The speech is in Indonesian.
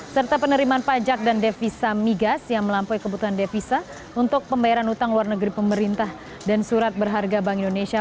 serta penerimaan pajak dan devisa migas yang melampaui kebutuhan devisa untuk pembayaran utang luar negeri pemerintah dan surat berharga bank indonesia